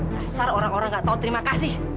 kasar orang orang gak tau terima kasih